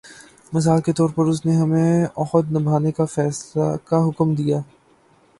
مثال کے طور پر اس نے ہمیں عہد نبھانے کا حکم دیا ہے۔